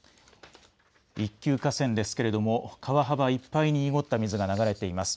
一級河川ですけれども川幅いっぱい濁った水が流れています。